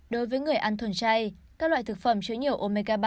đối với người ăn thuần chay các loại thực phẩm chứa nhiều omega ba